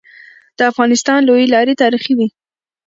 د افغانستان لويي لاري تاریخي وي.